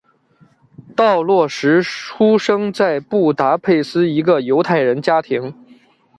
道洛什出生在布达佩斯一个犹太人家庭。